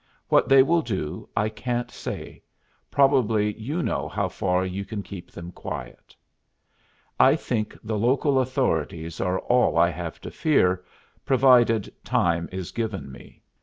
What they will do, I can't say. Probably you know how far you can keep them quiet." "I think the local authorities are all I have to fear, provided time is given me."